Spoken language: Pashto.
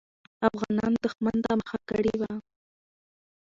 افغانان دښمن ته مخه کړې وه.